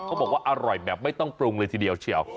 เขาบอกว่าอร่อยแบบไม่ต้องปรุงเลยทีเดียวเชียว